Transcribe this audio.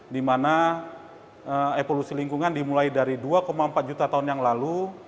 di mana evolusi lingkungan dimulai dari dua empat juta tahun yang lalu